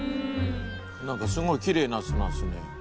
なんかすごいきれいな砂ですね。